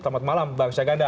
selamat malam bang syahganda